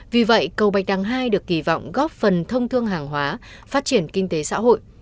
vì vậy cầu bạch đằng hai được kỳ vọng góp phần thông thương hàng hóa phát triển kinh tế xã hội